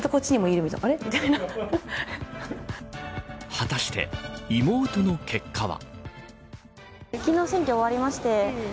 果たして、妹の結果は。